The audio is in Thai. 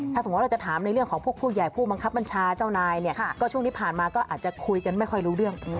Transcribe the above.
ถ้าสมมุติเราจะถามในเรื่องของพวกผู้ใหญ่ผู้บังคับบัญชาเจ้านายเนี่ยก็ช่วงที่ผ่านมาก็อาจจะคุยกันไม่ค่อยรู้เรื่อง